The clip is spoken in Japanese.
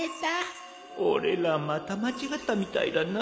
俺らまた間違ったみたいだな。